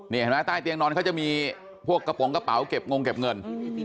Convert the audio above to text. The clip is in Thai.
นี่เห็นไหมใต้เตียงนอนเขาจะมีพวกกระโปรงกระเป๋าเก็บงงเก็บเงิน